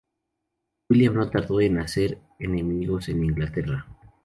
William no tardó en hacer hacer enemigos en Inglaterra.